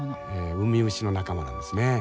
ウミウシの仲間なんですね。